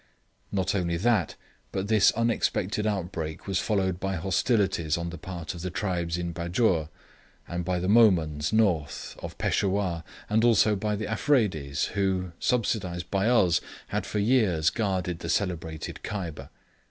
Not only that, but this unexpected outbreak was followed by hostilities on the part of the tribes in Bajour, and by the Mohmunds north, of Peshawur, and also by the Afredis, who, subsidised by us, had for years guarded the celebrated Kyber.